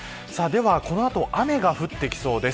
この後、雨が降ってきそうです。